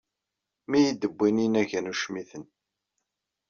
Mi iyi-d-wwin inagan ucmiten.